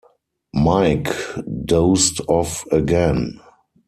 Mike dozed off again.